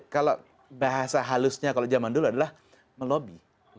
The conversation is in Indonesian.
kalau bahasa halusnya kalau zaman dulu adalah melobi